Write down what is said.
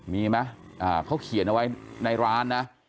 มีไหมเขาเขียนเอาไว้ในร้านนะ